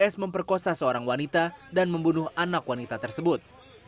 s memperkosa seorang wanita dan membunuh anak wanita tersebut